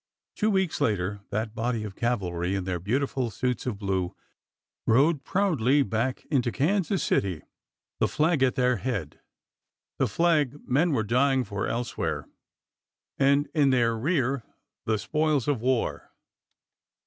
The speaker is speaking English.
Two weeks later, that body of cavalry, in their beautiful suits of blue, rode proudly back into Kansas City, the flag at their head— the flag men were dying for elsewhere —and in their rear the spoils of war.